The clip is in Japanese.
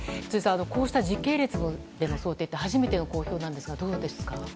こうした時系列での想定って初めての公表なんですがどうですか？